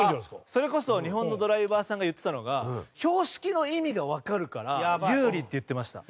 それこそ日本のドライバーさんが言ってたのが標識の意味がわかるから有利って言ってました。